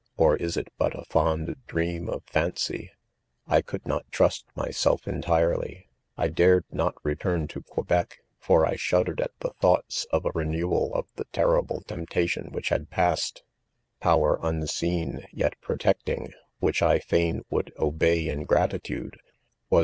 or is it but, a fond dream of fancy 1 • r .' 4 I could not trust myself entirely °. I dared aot return to Quebec,' for I shudder ed at the thoughts ;of a renewal of the terrible tempt a flops whicjb had passed. . I .(■; ']^^^^^b^^[^ froteetingg. ',mhieir :; .1 £&m would, obey" in .gratitude, was.